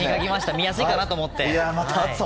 見やすいかなと思って。